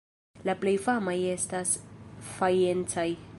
La plej famaj estas fajencaj.